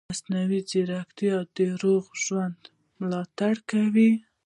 مصنوعي ځیرکتیا د روغ ژوند ملاتړ کوي.